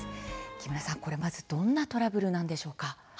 木村さん、これは、まずどんなトラブルなんでしょうか。